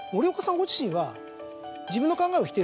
ご自身は。